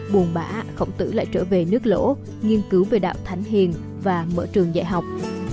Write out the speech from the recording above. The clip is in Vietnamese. buồn bã khổng tử lại trở về nước lỗ nghiên cứu về đạo thánh hiền và mở trường dạy học